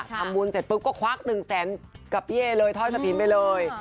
ทำบุญเสร็จปุ๊บก็ควัก๑แสนกับพี่เอเลยทอดกระถิ่นไปเลย